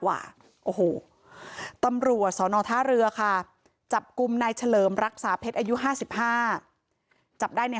ว่าโอ้โหตำรวจสอนอท่าเรือค่ะจับกลุ่มนายเฉลิมรักษาเพชรอายุ๕๕จับได้ใน